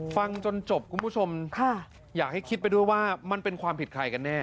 ฟังจนจบคุณผู้ชมอยากให้คิดไปด้วยว่ามันเป็นความผิดใครกันแน่